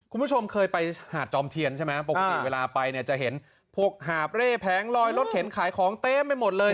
คุณผู้ชมเคยไปหาดจอมเทียนใช่ไหมปกติเวลาไปเนี่ยจะเห็นพวกหาบเร่แผงลอยรถเข็นขายของเต็มไปหมดเลย